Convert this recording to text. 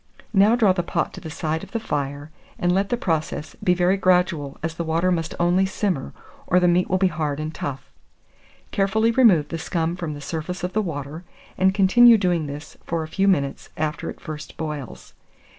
Now draw the pot to the side of the fire, and let the process be very gradual, as the water must only simmer, or the meat will be hard and tough. Carefully remove the scum from the surface of the water, and continue doing this for a few minutes after it first boils.